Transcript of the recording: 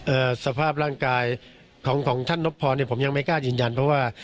เอ่อสภาพร่างกายของของท่านนพพรเนี้ยผมยังไม่กล้าจริงจันทร์เพราะว่า